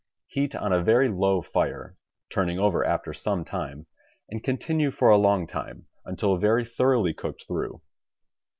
Heat on a very low fire, turning over after some time, and continue for a long time, until very thoroughly cooked through.